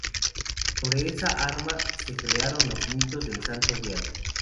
Sobre esta arma se crearon los mitos del Santo Grial.